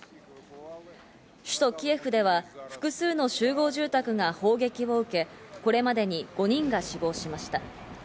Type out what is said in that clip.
首都キエフでは複数の集合住宅が砲撃を受け、これまでに５人が死亡しました。